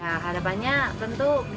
nah harapannya tentu bisa